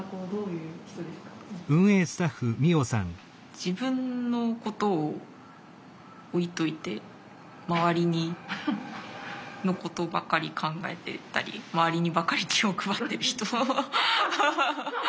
自分のことを置いといて周りのことばかり考えてたり周りにばかり気を配ってる人。